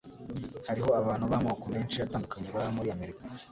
Hariho abantu b'amoko menshi atandukanye baba muri Amerika.